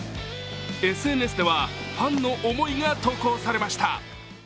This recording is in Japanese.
ＳＮＳではファンの思いが投稿されました。